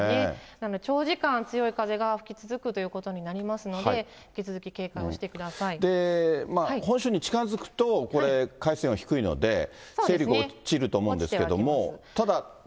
なので、長時間強い風が吹き続くということになりますので、引き続き警戒本州に近づくと、これ海水温低いので、勢力落ちると思うんですけども。